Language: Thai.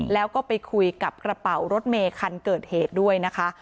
แล้วก็ไปคุยกับกระเป๋ารถเมย์คันเกิดเหตุด้วยนะคะ